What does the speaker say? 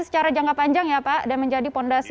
secara jangka panjang ya pak dan menjadi fondasi